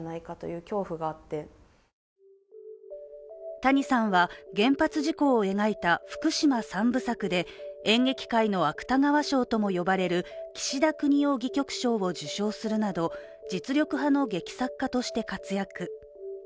谷さんは、原発事故を描いた福島三部作で演劇界の芥川賞とも呼ばれる岸田國士戯曲賞を受賞するなど実力派の劇作家として活躍。